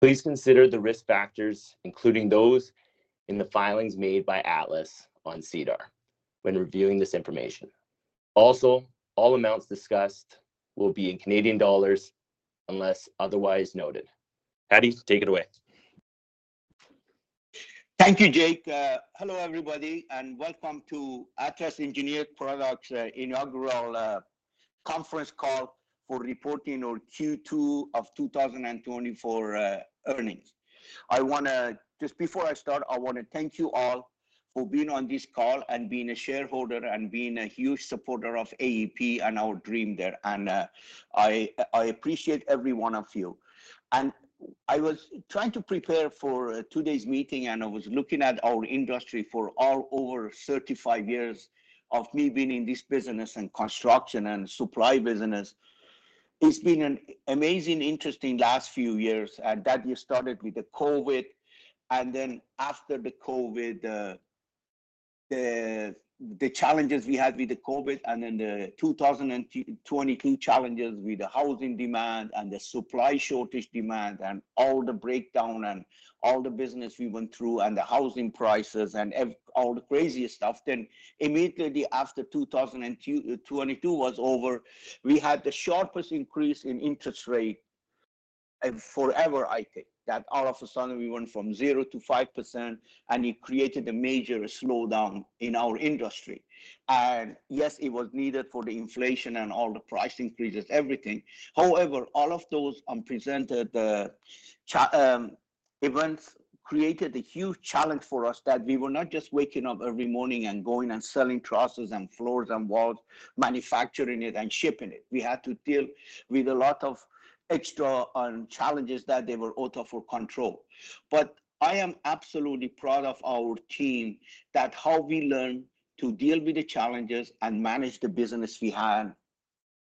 Please consider the risk factors, including those in the filings made by Atlas on SEDAR when reviewing this information. Also, all amounts discussed will be in Canadian dollars unless otherwise noted. Hadi, take it away. Thank you, Jake. Hello, everybody, and welcome to Atlas Engineered Products inaugural conference call f``or reporting on Q2 of 2024. I wanna just before I start, I wanna thank you all for being on this call and being a shareholder and being a huge supporter of AEP and our dream there. And I appreciate every one of you. And I was trying to prepare for today's meeting, and I was looking at our industry for all over 35 years of me being in this business and construction and supply business. It's been an amazing, interesting last few years, and that we started with the COVID, and then after the COVID, the challenges we had with the COVID, and then the 2022 challenges with the housing demand and the supply shortage demand, and all the breakdown and all the business we went through, and the housing prices and all the crazy stuff. Then immediately after 2022 was over, we had the sharpest increase in interest rate in forever, I think. That all of a sudden, we went from zero to 5%, and it created a major slowdown in our industry. Yes, it was needed for the inflation and all the price increases, everything. However, all of those events created a huge challenge for us that we were not just waking up every morning and going and selling trusses and floors and walls, manufacturing it and shipping it. We had to deal with a lot of extra challenges that they were out of our control. I am absolutely proud of our team, that how we learn to deal with the challenges and manage the business we had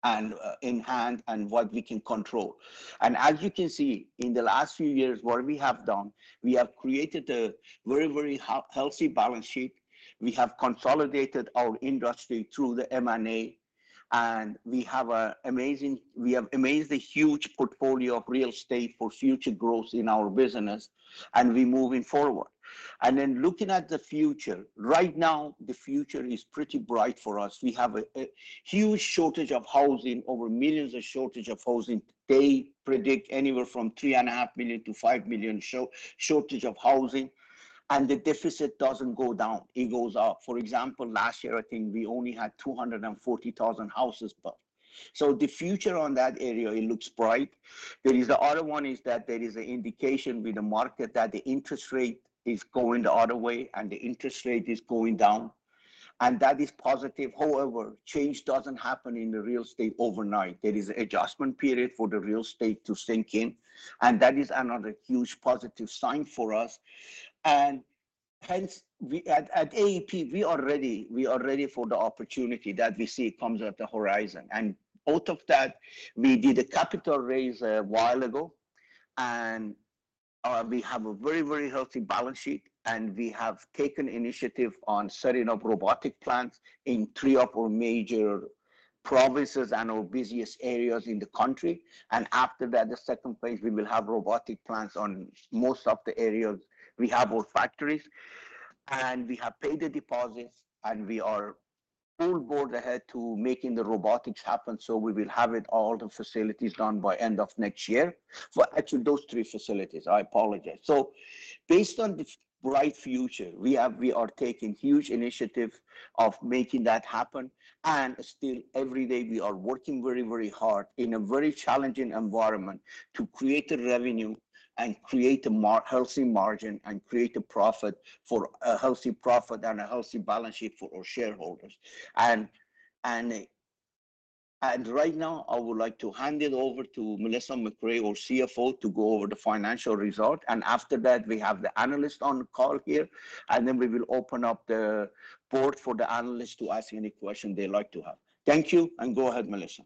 and in hand, and what we can control. As you can see, in the last few years, what we have done, we have created a very, very healthy balance sheet. We have consolidated our industry through the M&A, and we have amassed a huge portfolio of real estate for future growth in our business, and we're moving forward. And then looking at the future, right now, the future is pretty bright for us. We have a huge shortage of housing, over millions of shortage of housing. They predict anywhere from 3.5 million to 5 million shortage of housing, and the deficit doesn't go down; it goes up. For example, last year, I think we only had 240,00 houses built. So the future on that area, it looks bright. There is the other one is that there is an indication with the market that the interest rate is going the other way and the interest rate is going down, and that is positive. However, change doesn't happen in the real estate overnight. There is an adjustment period for the real estate to sink in, and that is another huge positive sign for us. Hence, we at AEP are ready. We are ready for the opportunity that we see coming on the horizon. Out of that, we did a capital raise a while ago, and we have a very, very healthy balance sheet, and we have taken initiative on setting up robotic plants in three of our major provinces and our busiest areas in the country. After that, the second phase, we will have robotic plants on most of the areas we have our factories, and we have paid the deposits, and we are full speed ahead to making the robotics happen, so we will have all the facilities done by end of next year. Actually, those three facilities. I apologize. Based on the bright future, we are taking huge initiative of making that happen. Still, every day we are working very, very hard in a very challenging environment to create the revenue and create a healthy margin and create a healthy profit and a healthy balance sheet for our shareholders. And right now, I would like to hand it over to Melissa MacRae, our CFO, to go over the financial results. And after that, we have the analysts on the call here, and then we will open up the floor for the analysts to ask any questions they'd like to have. Thank you, and go ahead, Melissa.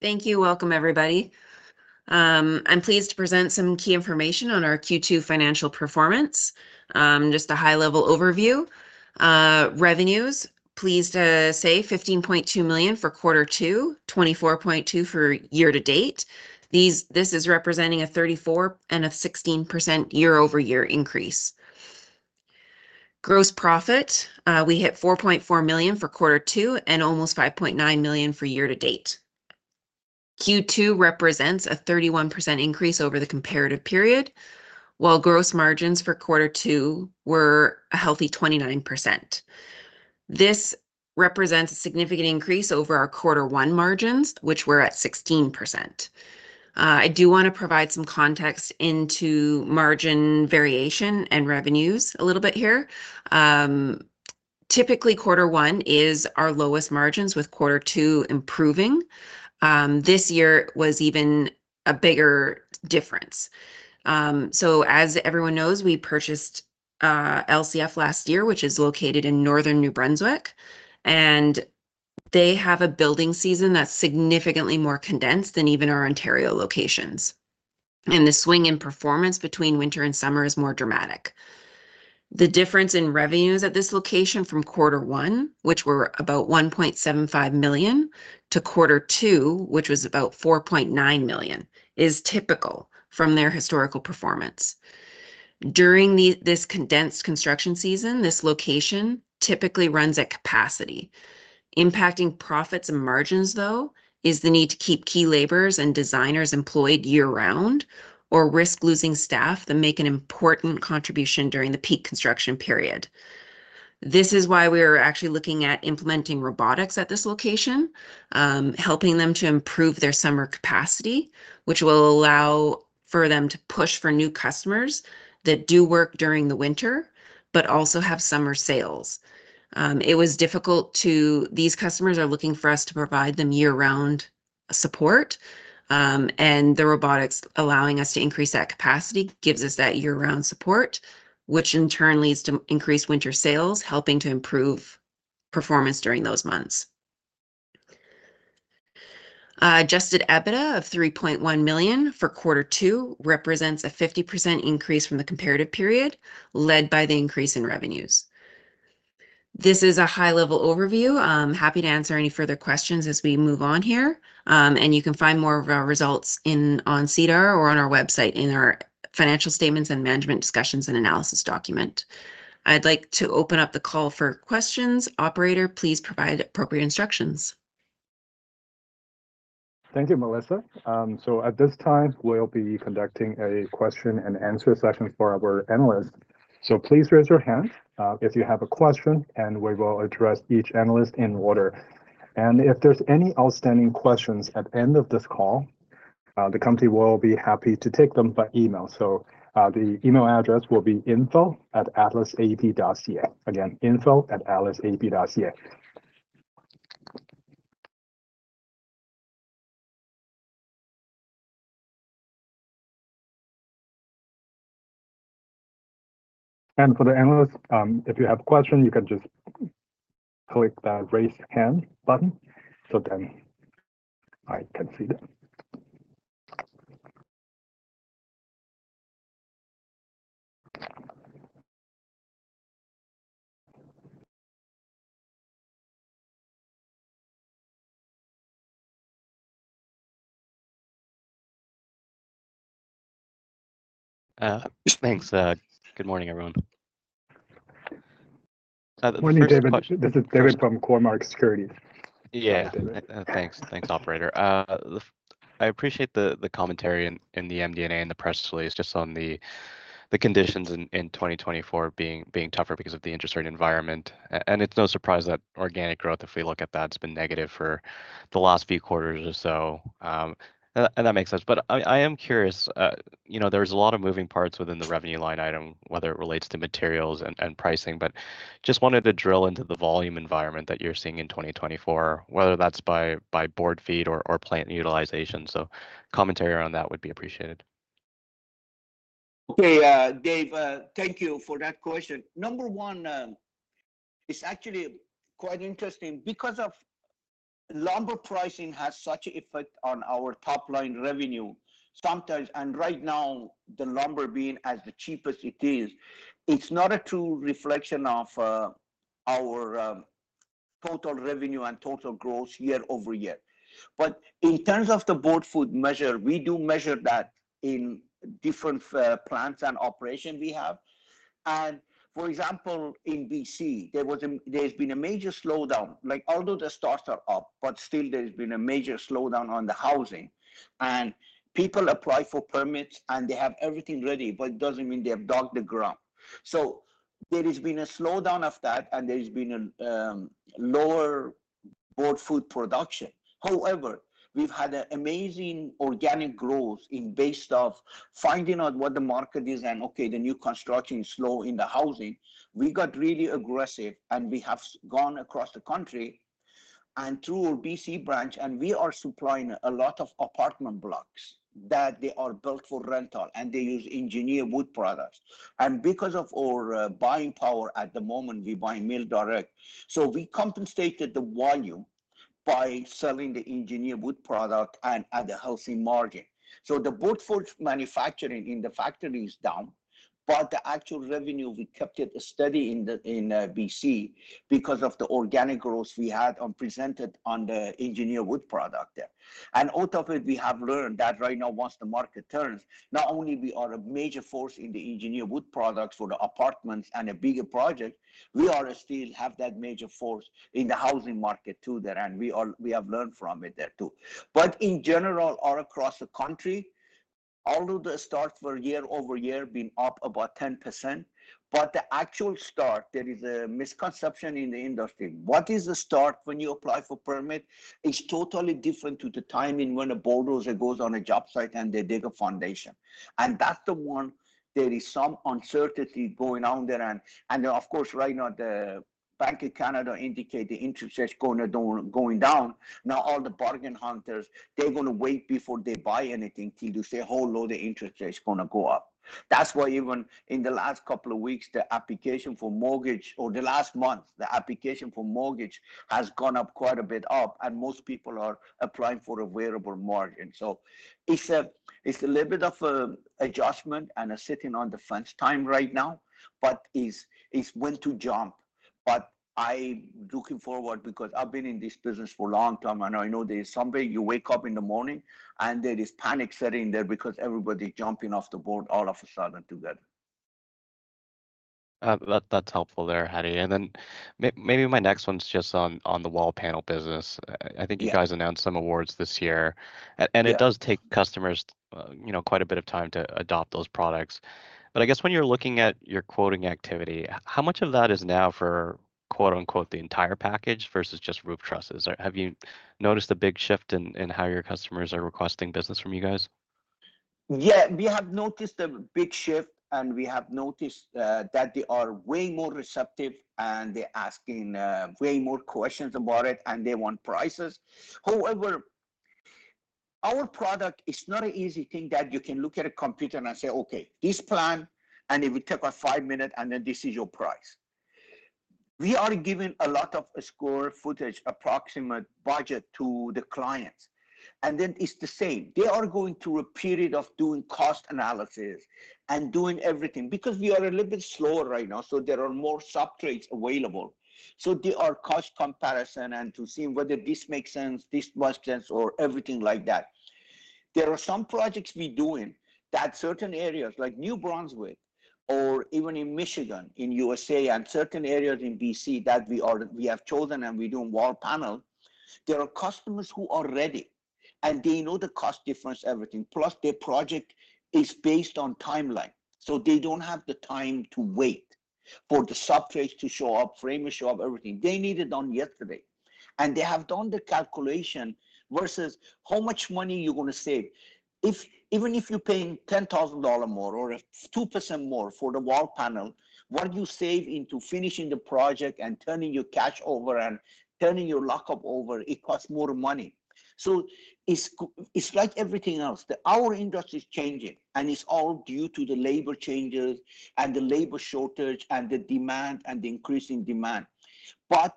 Thank you. Welcome, everybody. I'm pleased to present some key information on our Q2 financial performance. Just a high-level overview. Revenues, pleased to say $15.2 million for quarter two, $24.2 million for year to date. This is representing a 34% and a 16% year-over-year increase. Gross profit, we hit $4.4 million for quarter two and almost $5.9 million for year to date. Q2 represents a 31% increase over the comparative period, while gross margins for quarter two were a healthy 29%. This represents a significant increase over our quarter one margins, which were at 16%. I do wanna provide some context into margin variation and revenues a little bit here. Typically, quarter one is our lowest margins, with quarter two improving. This year was even a bigger difference. So as everyone knows, we purchased LCF last year, which is located in Northern New Brunswick, and they have a building season that's significantly more condensed than even our Ontario locations. And the swing in performance between winter and summer is more dramatic. The difference in revenues at this location from quarter one, which were about $1.75 million, to quarter two, which was about $4.9 million, is typical from their historical performance. During this condensed construction season, this location typically runs at capacity. Impacting profits and margins, though, is the need to keep key laborers and designers employed year-round, or risk losing staff that make an important contribution during the peak construction period. This is why we are actually looking at implementing robotics at this location, helping them to improve their summer capacity, which will allow for them to push for new customers that do work during the winter, but also have summer sales. These customers are looking for us to provide them year-round support, and the robotics allowing us to increase that capacity gives us that year-round support, which in turn leads to increased winter sales, helping to improve performance during those months. Adjusted EBITDA of $3.1 million for quarter two represents a 50% increase from the comparative period, led by the increase in revenues. This is a high-level overview. I'm happy to answer any further questions as we move on here. And you can find more of our results in on SEDAR or on our website in our financial statements and Management's Discussion and Analysis document. I'd like to open up the call for questions. Operator, please provide appropriate instructions. Thank you, Melissa. So at this time, we'll be conducting a question and answer session for our analysts. So please raise your hand, if you have a question, and we will address each analyst in order. And if there's any outstanding questions at the end of this call, the company will be happy to take them by email. So, the email address will be info@atlasep.ca. Again, info@atlasep.ca. And for the analysts, if you have questions, you can just click the Raise Hand button so then I can see that. Thanks. Good morning, everyone. Good morning, David. This is David from Cormark Securities. Yeah. Thanks. Thanks, operator. I appreciate the commentary in the MD&A and the press release just on the conditions in twenty twenty-four being tougher because of the interest rate environment. And it's no surprise that organic growth, if we look at that, has been negative for the last few quarters or so, and that makes sense. But I am curious, you know, there's a lot of moving parts within the revenue line item, whether it relates to materials and pricing, but just wanted to drill into the volume environment that you're seeing in twenty twenty-four, whether that's by board foot or plant utilization. So commentary around that would be appreciated. Okay, David, thank you for that question. Number one, it's actually quite interesting because of lumber pricing has such an effect on our top-line revenue. Sometimes, and right now, the lumber being as cheap as it is, it's not a true reflection of our total revenue and total growth year over year, but in terms of the board foot measure, we do measure that in different plants and operation we have, and for example, in BC, there's been a major slowdown. Like, although the starts are up, but still there's been a major slowdown on the housing, and people apply for permits, and they have everything ready, but it doesn't mean they have dug the ground, so there has been a slowdown of that, and there's been a lower board foot production. However, we've had an amazing organic growth in BC as of finding out what the market is, and the new construction is slow in the housing. We got really aggressive, and we have gone across the country and through our BC branch, and we are supplying a lot of apartment blocks that they are built for rental, and they use engineered wood products, and because of our buying power at the moment, we buy mill direct, so we compensated the volume by selling the engineered wood product and at a healthy margin, so the board foot manufacturing in the factory is down, but the actual revenue, we kept it steady in BC because of the organic growth we had, as presented, on the engineered wood product there. And out of it, we have learned that right now, once the market turns, not only we are a major force in the engineered wood products for the apartments and a bigger project, we are still have that major force in the housing market too there, and we have learned from it there too. But in general, all across the country, although the starts were year over year being up about 10%, but the actual start, there is a misconception in the industry. What is the start when you apply for permit is totally different to the timing when a bulldozer goes on a job site, and they dig a foundation, and that's the one there is some uncertainty going on there. And, of course, right now, the Bank of Canada indicate the interest is gonna down, going down. Now, all the bargain hunters, they're gonna wait before they buy anything till they say, "Oh, no, the interest is gonna go up." That's why even in the last couple of weeks, the application for mortgage or the last month, the application for mortgage has gone up quite a bit, and most people are applying for a variable mortgage. So it's a little bit of a adjustment and a sitting-on-the-fence time right now, but it's when to jump. But I looking forward because I've been in this business for long term, and I know there is someday you wake up in the morning, and there is panic setting there because everybody jumping off the board all of a sudden together. That's helpful there, Hadi. And then maybe my next one's just on the wall panel business. Yeah. I think you guys announced some awards this year. Yeah. It does take customers, you know, quite a bit of time to adopt those products. But I guess when you're looking at your quoting activity, how much of that is now for, quote-unquote, the entire package versus just roof trusses? Or have you noticed a big shift in how your customers are requesting business from you guys? Yeah, we have noticed a big shift, and we have noticed that they are way more receptive, and they're asking way more questions about it, and they want prices. However, our product is not an easy thing that you can look at a computer and say, "Okay, this plan," and it will take about five minute, and then, "This is your price." We are giving a lot of square footage, approximate budget to the clients, and then it's the same. They are going through a period of doing cost analysis and doing everything because we are a little bit slower right now, so there are more substrates available. So they are cost comparison and to see whether this makes sense, this makes sense, or everything like that. There are some projects we're doing in certain areas like New Brunswick or even in Michigan, in USA, and certain areas in BC that we are. We have chosen, and we're doing wall panel. There are customers who are ready, and they know the cost difference, everything. Plus, their project is based on timeline, so they don't have the time to wait for the substrates to show up, frame to show up, everything. They need it done yesterday, and they have done the calculation versus how much money you're gonna save. If even if you're paying $10,000 more or 2% more for the wall panel, what you save into finishing the project and turning your cash over and turning your lockup over, it costs more money. So it's like everything else. The... Our industry is changing, and it's all due to the labor changes and the labor shortage and the demand and the increase in demand. But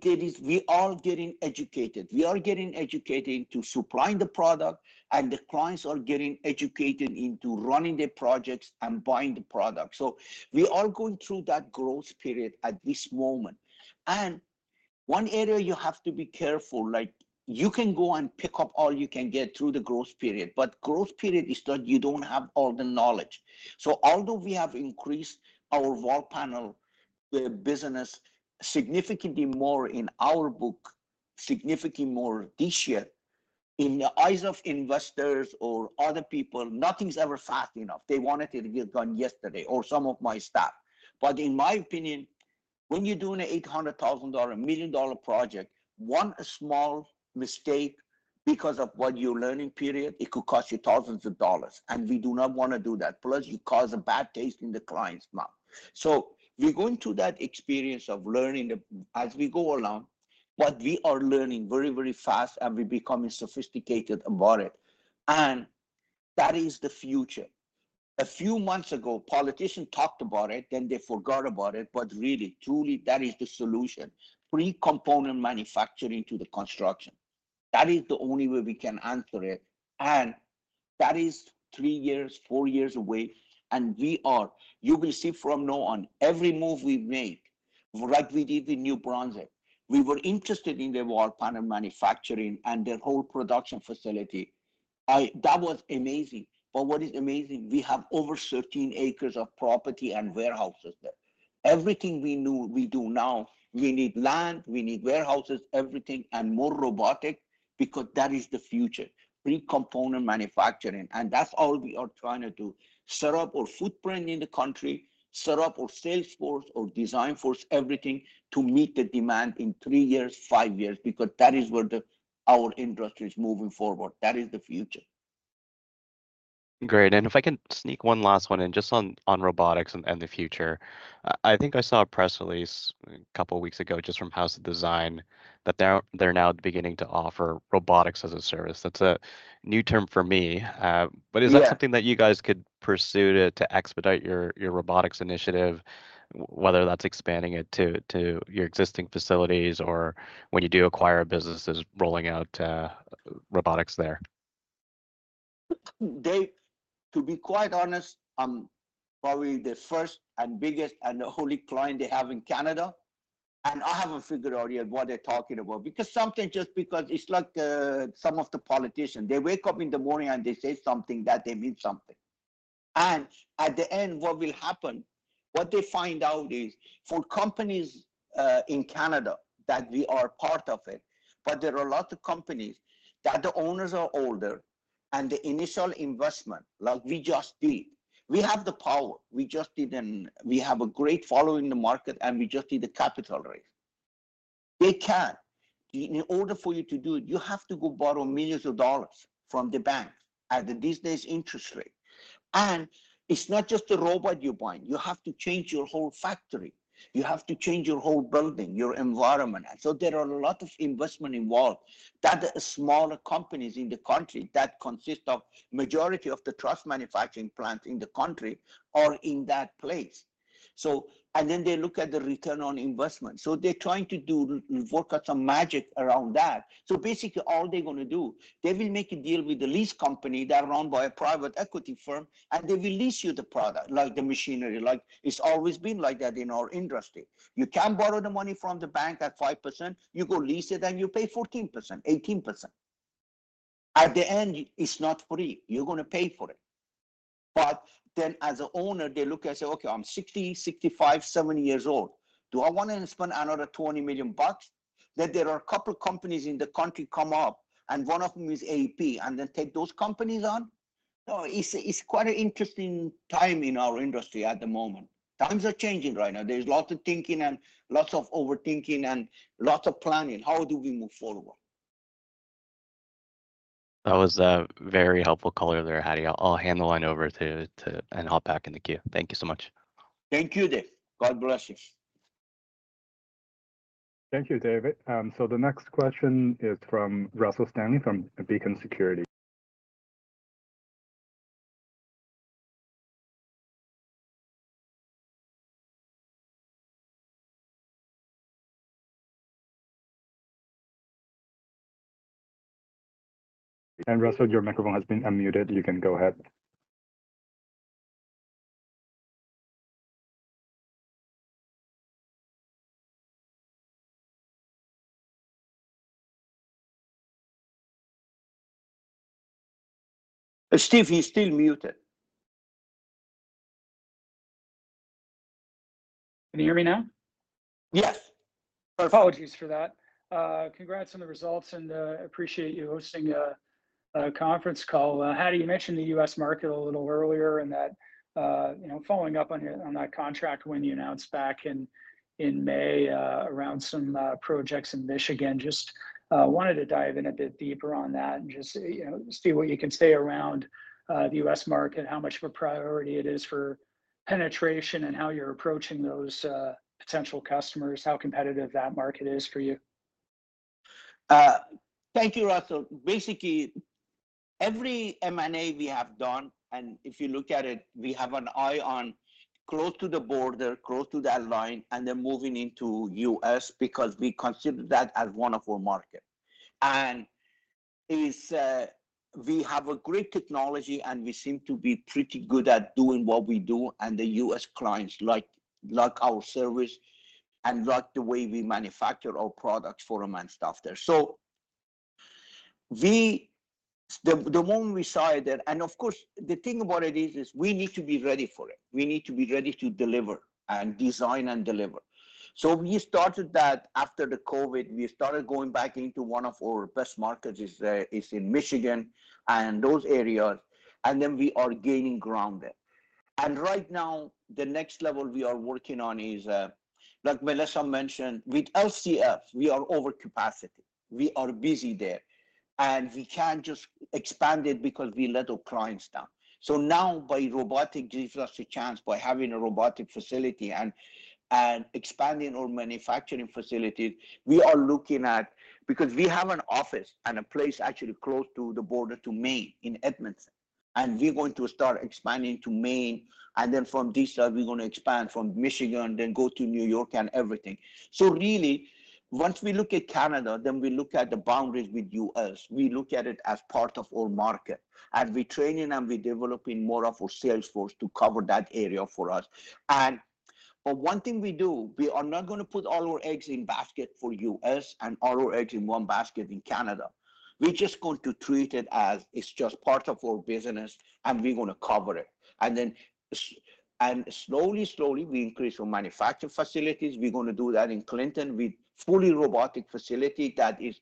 there is. We are getting educated. We are getting educated to supplying the product, and the clients are getting educated into running their projects and buying the product. So we are going through that growth period at this moment, and one area you have to be careful. Like, you can go and pick up all you can get through the growth period, but growth period is that you don't have all the knowledge. So although we have increased our wall panel, the business significantly more in our book, significantly more this year, in the eyes of investors or other people, nothing's ever fast enough. They want it to get done yesterday or some of my staff. But in my opinion, when you're doing a $800,000-dollar, a $ 1 million-dollar project, one small mistake because of what you're learning period, it could cost you thousands of dollars, and we do not wanna do that. Plus, you cause a bad taste in the client's mouth. So we're going through that experience of learning as we go along, but we are learning very, very fast, and we're becoming sophisticated about it, and that is the future. A few months ago, politician talked about it, then they forgot about it, but really, truly, that is the solution. Pre-component manufacturing to the construction, that is the only way we can answer it, and that is three years, four years away, and we are. You will see from now on, every move we make, like we did in New Brunswick, we were interested in the wall panel manufacturing and their whole production facility. I... That was amazing, but what is amazing, we have over thirteen acres of property and warehouses there. Everything we knew, we do now. We need land, we need warehouses, everything, and more robotic, because that is the future, pre-component manufacturing, and that's all we are trying to do. Set up our footprint in the country, set up our sales force, our design force, everything, to meet the demand in three years, five years, because that is where the our industry is moving forward. That is the future. Great, and if I can sneak one last one in, just on robotics and the future. I think I saw a press release a couple of weeks ago, just from House of Design, that they're now beginning to offer robotics as a service. That's a new term for me. Yeah But is that something that you guys could pursue to expedite your robotics initiative, whether that's expanding it to your existing facilities or when you do acquire businesses rolling out robotics there? To be quite honest, I'm probably the first and biggest and only client they have in Canada, and I haven't figured out yet what they're talking about. Because something just because it's like, some of the politicians, they wake up in the morning, and they say something, that they mean something, and at the end, what will happen, what they find out is for companies in Canada, that we are part of it, but there are a lot of companies that the owners are older, and the initial investment, like we just did, we have the power. We just did. We have a great follow in the market, and we just did a capital raise. They can't. In order for you to do it, you have to go borrow millions of dollars from the bank at the, these days, interest rate. It's not just a robot you're buying. You have to change your whole factory. You have to change your whole building, your environment. So there are a lot of investments involved that the smaller companies in the country that consist of the majority of the truss manufacturing plants in the country are in that place. So... And then they look at the return on investment. So they're trying to do, work out some magic around that. So basically, all they're gonna do, they will make a deal with the lease companies that are owned by a private equity firm, and they will lease you the product, like the machinery. Like, it's always been like that in our industry. You can't borrow the money from the bank at 5%. You go lease it, and you pay 14%, 18%.... At the end, it's not free. You're gonna pay for it. But then as an owner, they look and say, "Okay, I'm 60, 65, 70 years old. Do I wanna spend another $20 million bucks?" That there are a couple companies in the country come up, and one of them is AEP, and then take those companies on. No, it's quite an interesting time in our industry at the moment. Times are changing right now. There's lots of thinking and lots of overthinking and lots of planning. How do we move forward? That was a very helpful caller there, Hadi. I'll hand the line over to... and hop back in the queue. Thank you so much. Thank you, Dave. God bless you. Thank you, David. So the next question is from Russell Stanley from Beacon Securities. And Russell, your microphone has been unmuted. You can go ahead. Steve, he's still muted. Can you hear me now? Yes. My apologies for that. Congrats on the results, and appreciate you hosting a conference call. Hadi, you mentioned the U.S. market a little earlier, and, you know, following up on that contract when you announced back in May, around some projects in Michigan. Just wanted to dive in a bit deeper on that and just, you know, see what you can say around the U.S. market, how much of a priority it is for penetration, and how you're approaching those potential customers, how competitive that market is for you. Thank you, Russell. Basically, every M&A we have done, and if you look at it, we have an eye on close to the border, close to that line, and then moving into U.S. because we consider that as one of our market. And, we have a great technology, and we seem to be pretty good at doing what we do, and the U.S. clients like our service and like the way we manufacture our products for them and stuff there. So we... The moment we saw it, and of course, the thing about it is we need to be ready for it. We need to be ready to deliver and design and deliver. So we started that after the COVID. We started going back into one of our best markets is in Michigan and those areas, and then we are gaining ground there. And right now, the next level we are working on is, like Melissa mentioned, with LCFs, we are over capacity. We are busy there, and we can't just expand it because we let our clients down. So now, robotics gives us a chance by having a robotic facility and expanding our manufacturing facilities. We are looking at... Because we have an office and a place actually close to the border to Maine in Edmundston, and we're going to start expanding to Maine, and then from this side, we're gonna expand from Michigan, then go to New York and everything. So really, once we look at Canada, then we look at the boundaries with U.S. We look at it as part of our market, and we're training and we're developing more of our sales force to cover that area for us. But one thing we do, we are not gonna put all our eggs in basket for U.S. and all our eggs in one basket in Canada. We're just going to treat it as it's just part of our business, and we're gonna cover it. And then, slowly, slowly, we increase our manufacturing facilities. We're gonna do that in Clinton with fully robotic facility that is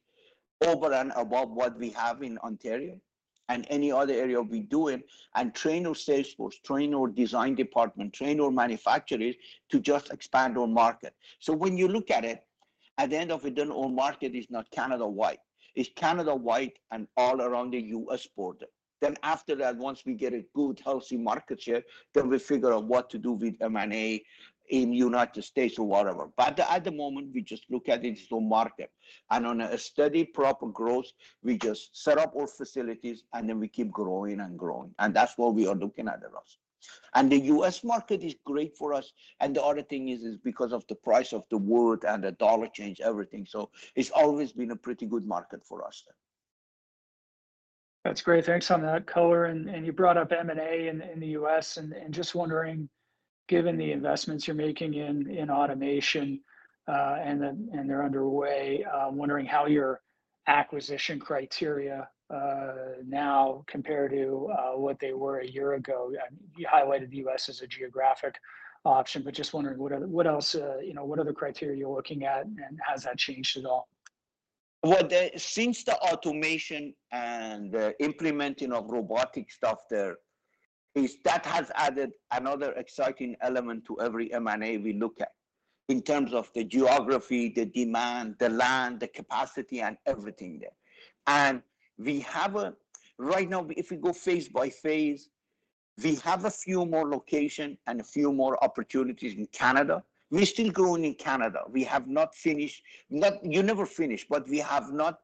over and above what we have in Ontario and any other area we do it, and train our sales force, train our design department, train our manufacturers to just expand on market. So when you look at it, at the end of it, then our market is not Canada wide. It's Canada wide and all around the U.S. border. Then after that, once we get a good, healthy market share, then we figure out what to do with M&A in United States or whatever. But at the moment, we just look at it as the market, and on a steady, proper growth, we just set up our facilities, and then we keep growing and growing, and that's what we are looking at, Russ, and the U.S. market is great for us, and the other thing is, because of the price of the wood and the dollar exchange, everything, so it's always been a pretty good market for us there. That's great. Thanks for that, color. And you brought up M&A in the US and just wondering, given the investments you're making in automation, and then... And they're underway, wondering how your acquisition criteria now compare to what they were a year ago. I mean, you highlighted the US as a geographic option, but just wondering what are, what else, you know, what other criteria you're looking at, and has that changed at all? Since the automation and the implementing of robotic stuff there, that has added another exciting element to every M&A we look at in terms of the geography, the demand, the land, the capacity, and everything there. Right now, if we go phase by phase, we have a few more location and a few more opportunities in Canada. We're still growing in Canada. We have not finished. You never finish, but we have not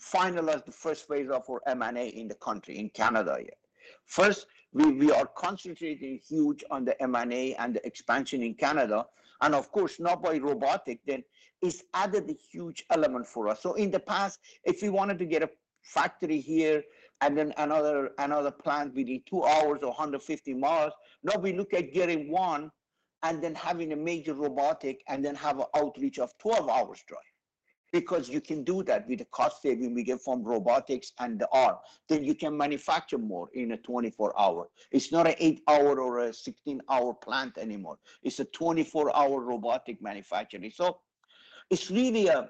finalized the first phase of our M&A in the country, in Canada, yet. First, we are concentrating huge on the M&A and the expansion in Canada, and of course, now by robotic, then it's added a huge element for us. In the past, if we wanted to get a factory here and then another plant, we need two hours or 150 miles. Now, we look at getting one and then having a major robotic and then have an outreach of 12 hours dry. Because you can do that with the cost saving we get from robotics and the RaaS, then you can manufacture more in a 24-hour. It's not an 8-hour or a 16-hour plant anymore, it's a 24-hour robotic manufacturing. So it's really a,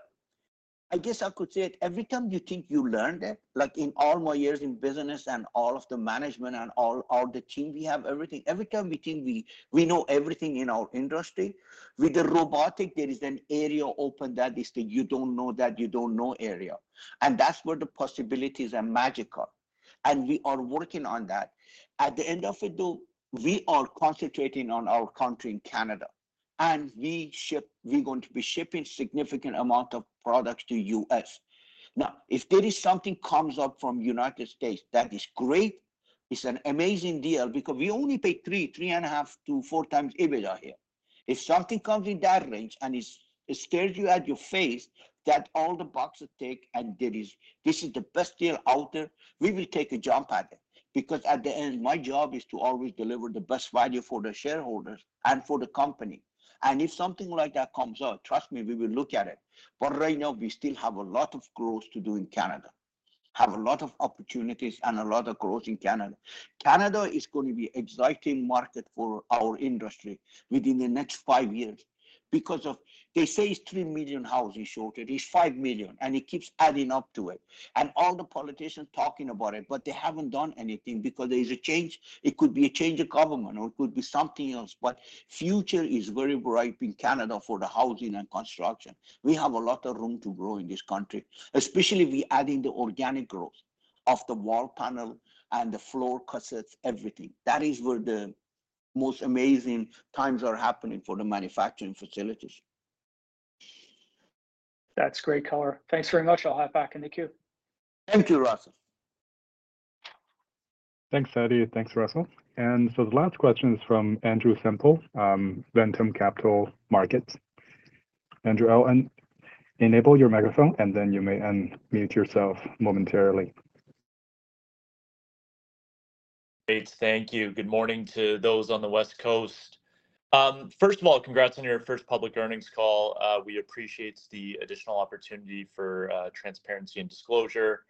I guess I could say it, every time you think you learned it, like in all my years in business and all of the management and all the team, we have everything. Every time we think we know everything in our industry, with the robotic, there is an area open that is the you don't know, that you don't know area, and that's where the possibilities are magical, and we are working on that. At the end of it, though, we are concentrating on our country in Canada, and we ship—we're going to be shipping significant amount of products to U.S. Now, if there is something comes up from United States, that is great. It's an amazing deal because we only pay three, three and a half to four times EBITDA here. If something comes in that range and it's, it stares you in the face, ticks all the boxes and there is, this is the best deal out there, we will jump at it. Because at the end, my job is to always deliver the best value for the shareholders and for the company. And if something like that comes up, trust me, we will look at it. But right now we still have a lot of growth to do in Canada. We have a lot of opportunities and a lot of growth in Canada. Canada is going to be exciting market for our industry within the next five years because of... They say it's three million housing shortage, it's five million, and it keeps adding up to it. And all the politicians talking about it, but they haven't done anything because there is a change. It could be a change of government, or it could be something else, but future is very bright in Canada for the housing and construction. We have a lot of room to grow in this country, especially we adding the organic growth of the wall panel and the floor cassettes, everything. That is where the most amazing times are happening for the manufacturing facilities. That's great, color. Thanks very much. I'll hop back in the queue. Thank you, Russell. Thanks, Hadi. Thanks, Russell. And so the last question is from Andrew Semple, Ventum Capital Markets. Andrew, and enable your microphone, and then you may unmute yourself momentarily. Great, thank you. Good morning to those on the West Coast. First of all, congrats on your first public earnings call. We appreciate the additional opportunity for transparency and disclosure.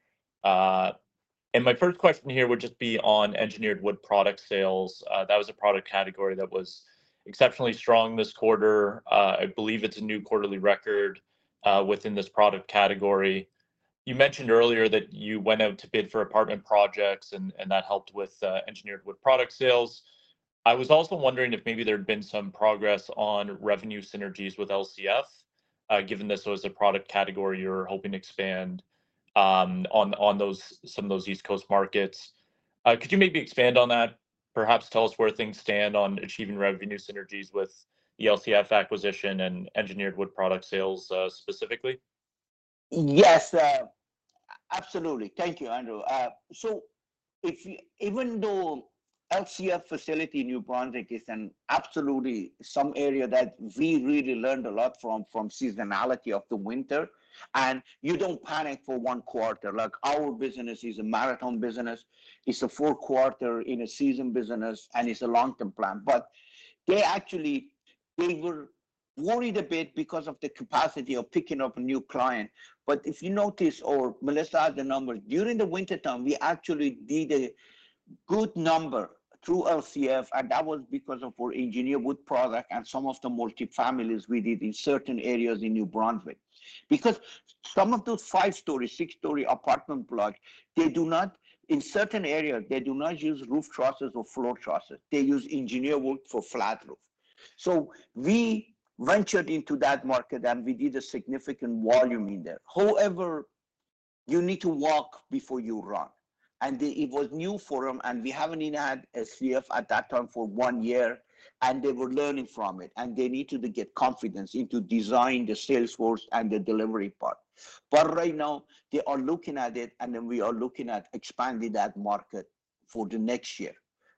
My first question here would just be on engineered wood products sales. That was a product category that was exceptionally strong this quarter. I believe it's a new quarterly record within this product category. You mentioned earlier that you went out to bid for apartment projects and that helped with engineered wood products sales. I was also wondering if maybe there had been some progress on revenue synergies with LCF, given this was a product category you're hoping to expand on some of those East Coast markets. Could you maybe expand on that? Perhaps tell us where things stand on achieving revenue synergies with the LCF acquisition and engineered wood product sales, specifically? Yes, absolutely. Thank you, Andrew. So even though LCF facility in New Brunswick is an absolutely some area that we really learned a lot from, from seasonality of the winter, and you don't panic for one quarter. Like, our business is a marathon business. It's a four-quarter in a season business, and it's a long-term plan. But they actually, they were worried a bit because of the capacity of picking up a new client, but if you notice or Melissa had the numbers, during the wintertime, we actually did a good number through LCF, and that was because of our engineered wood product and some of the multi-families we did in certain areas in New Brunswick. Because some of those five-story, six-story apartment blocks, they do not, in certain areas, they do not use roof trusses or floor trusses. They use engineered wood for flat roof. So we ventured into that market, and we did a significant volume in there. However, you need to walk before you run, and it was new for them, and we haven't even had LCF at that time for one year, and they were learning from it, and they needed to get confidence into design, the sales force, and the delivery part. But right now, they are looking at it, and then we are looking at expanding that market for the next year.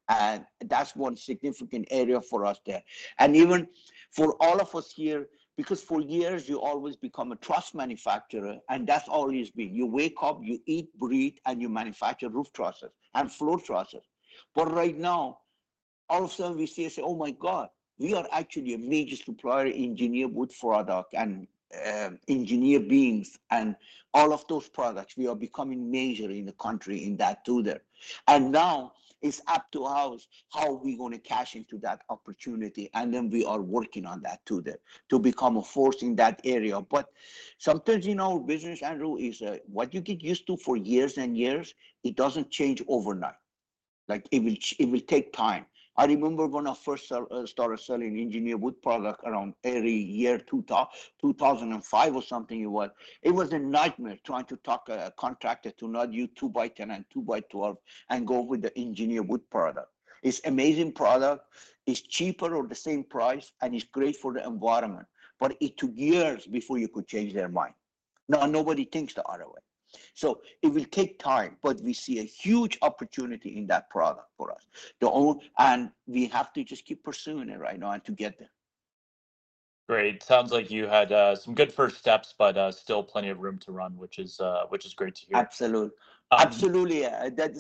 And that's one significant area for us there. And even for all of us here, because for years you always become a truss manufacturer, and that's all it's been. You wake up, you eat, breathe, and you manufacture roof trusses and floor trusses. But right now, all of a sudden, we say, "Oh my God, we are actually a major supplier, engineered wood product and, engineered beams and all of those products." We are becoming major in the country in that too there. And now it's up to us, how are we going to cash into that opportunity? And then we are working on that too there, to become a force in that area. But sometimes, you know, business, Andrew, is, what you get used to for years and years, it doesn't change overnight. Like, it will, it will take time. I remember when I first started selling engineered wood product around early year two thousand and five or something it was. It was a nightmare trying to talk a contractor to not use 2x10 and 2x12 and go with the engineered wood product. It's amazing product, it's cheaper or the same price, and it's great for the environment, but it took years before you could change their mind. Now, nobody thinks the other way, so it will take time, but we see a huge opportunity in that product for us. The only..., and we have to just keep pursuing it right now and to get there. Great. Sounds like you had some good first steps, but still plenty of room to run, which is great to hear. Absolutely. Um- Absolutely.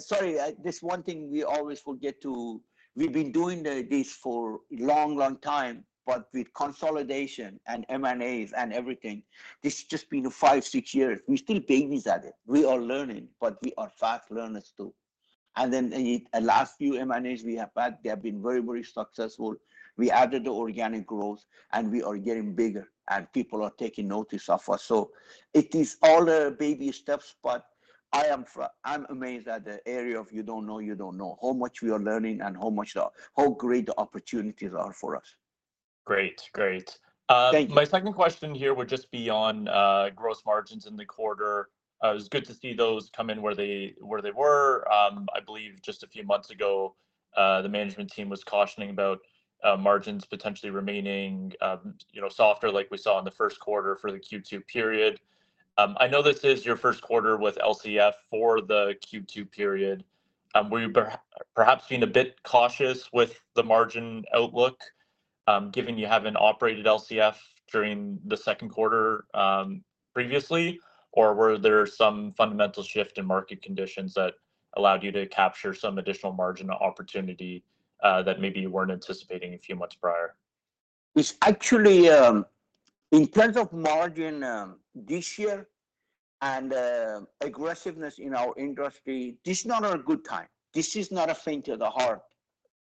Sorry, this one thing we always forget to, we've been doing this for long, long time, but with consolidation and M&As and everything, this has just been five, six years. We're still babies at it. We are learning, but we are fast learners, too. And then the last few M&As we have had, they have been very, very successful. We added the organic growth, and we are getting bigger, and people are taking notice of us. So it is all the baby steps, but I'm amazed at the area of you don't know, you don't know. How much we are learning and how much how great the opportunities are for us. Great. Great. Thank you. My second question here would just be on gross margins in the quarter. It was good to see those come in where they were. I believe just a few months ago, the management team was cautioning about margins potentially remaining, you know, softer like we saw in the first quarter for the Q2 period. I know this is your first quarter with LCF for the Q2 period. Were you perhaps being a bit cautious with the margin outlook, given you haven't operated LCF during the second quarter previously, or were there some fundamental shift in market conditions that allowed you to capture some additional margin opportunity, that maybe you weren't anticipating a few months prior? It's actually in terms of margin this year and aggressiveness in our industry. This is not a good time. This is not for the faint of heart.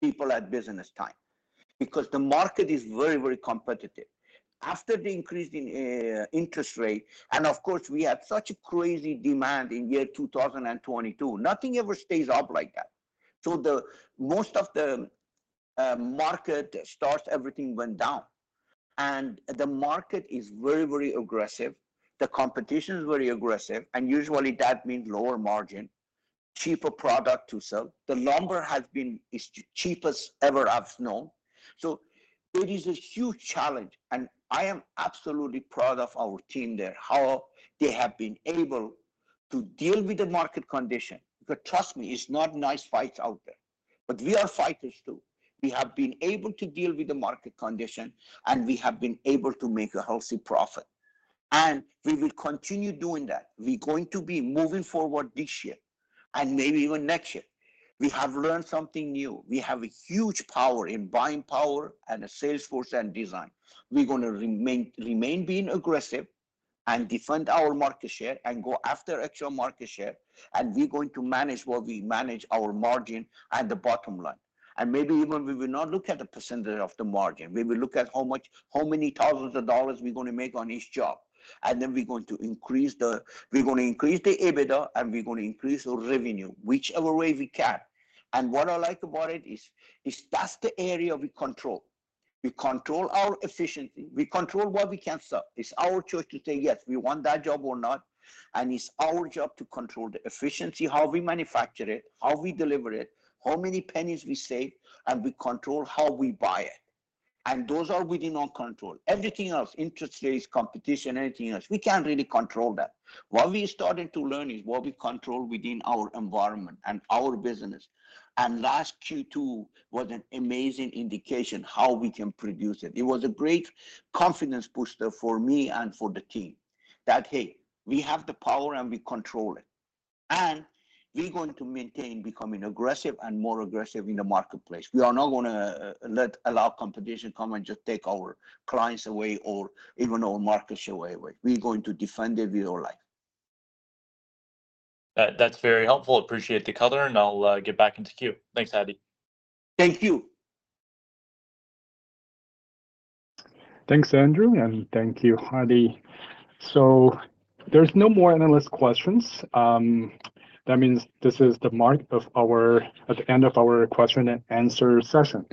People in business at this time, because the market is very, very competitive. After the increase in interest rate, and of course, we had such a crazy demand in year 2022. Nothing ever stays up like that. So most of the housing starts, everything went down, and the market is very, very aggressive. The competition is very aggressive, and usually that means lower margin, cheaper product to sell. The lumber has been, is the cheapest ever I've known. So it is a huge challenge, and I am absolutely proud of our team there, how they have been able to deal with the market condition. Because trust me, it's not nice fights out there, but we are fighters, too. We have been able to deal with the market condition, and we have been able to make a healthy profit, and we will continue doing that. We're going to be moving forward this year and maybe even next year. We have learned something new. We have a huge power in buying power and a sales force and design. We're gonna remain being aggressive and defend our market share and go after extra market share, and we're going to manage what we manage our margin at the bottom line. And maybe even we will not look at the percentage of the margin. We will look at how much, how many thousands of dollars we're gonna make on each job, and then we're going to increase the... We're gonna increase the EBITDA, and we're gonna increase our revenue, whichever way we can. And what I like about it is that's the area we control. We control our efficiency. We control what we can sell. It's our choice to say, "Yes, we want that job or not," and it's our job to control the efficiency, how we manufacture it, how we deliver it, how many pennies we save, and we control how we buy it, and those are within our control. Everything else, interest rates, competition, anything else, we can't really control that. What we started to learn is what we control within our environment and our business. And last Q2 was an amazing indication how we can produce it. It was a great confidence booster for me and for the team that, hey, we have the power and we control it, and we're going to maintain becoming aggressive and more aggressive in the marketplace. We are not gonna let allow competition come and just take our clients away or even our market share away. We're going to defend it with our life. That, that's very helpful. Appreciate the color, and I'll get back into queue. Thanks, Hadi. Thank you. Thanks, Andrew, and thank you, Hadi. So there's no more analyst questions. That means this marks the end of our question and answer session.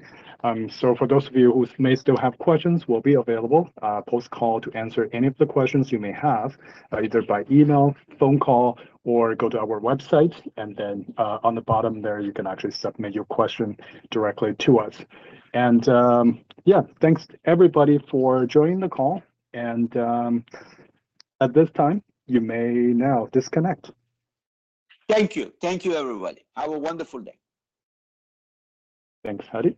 So for those of you who may still have questions, we'll be available post-call to answer any of the questions you may have, either by email, phone call, or go to our website, and then on the bottom there, you can actually submit your question directly to us. And yeah, thanks to everybody for joining the call, and at this time, you may now disconnect. Thank you. Thank you, everybody. Have a wonderful day. Thanks, Hadi.